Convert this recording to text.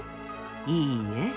いいえ。